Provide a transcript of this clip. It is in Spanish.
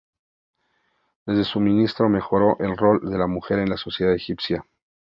Desde su ministerio mejoró el rol de la mujer en la sociedad egipcia.